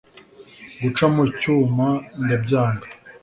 guca mu cyuma ndabyanga